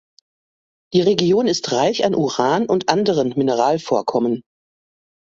Die Region ist reich an Uran und anderen Mineralvorkommen.